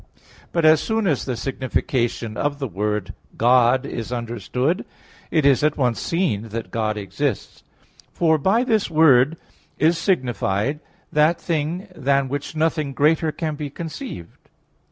But as soon as the signification of the word "God" is understood, it is at once seen that God exists. For by this word is signified that thing than which nothing greater can be conceived.